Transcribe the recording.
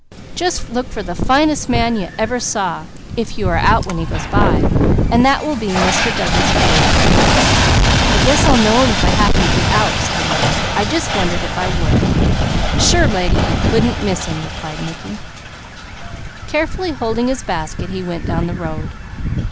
Just look for the finest man you ever saw, if you are out when he goes by, and that will be Mr. Douglas Bruce." "I guess I'll know him if I happen to be out." "Sure lady, you couldn't miss him," replied Mickey. Carefully holding his basket he went down the road.